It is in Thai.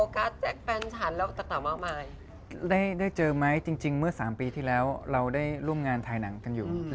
ค่ะย้อนกลับมาถึงชีวิตปัจจุบันบ้างค่ะ